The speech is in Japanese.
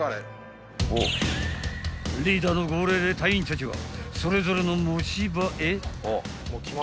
［リーダーの号令で隊員たちはそれぞれの持ち場へ］